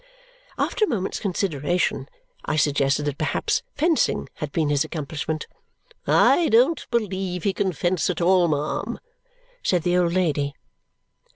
After a moment's consideration, I suggested that perhaps fencing had been his accomplishment. "I don't believe he can fence at all, ma'am," said the old lady.